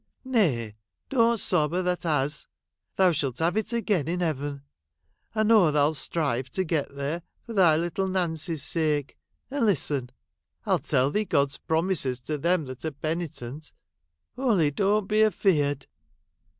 Nay, don't sob a that 'as ; thou shalt have it again in Heaven ; I know thou 'It strive to get there, for thy little Nancy's sake — and listen ! I '11 tell thee God's promises to them that are penitent — only doan't be afeard.'